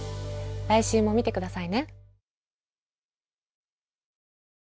来週も見てくださいね。